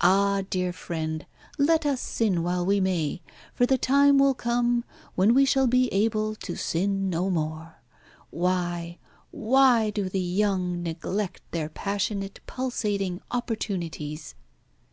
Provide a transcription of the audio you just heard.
Ah, dear friend, let us sin while we may, for the time will come when we shall be able to sin no more. Why, why do the young neglect their passionate pulsating opportunities?"